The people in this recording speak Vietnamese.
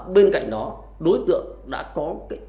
bên cạnh đó đối tượng đã có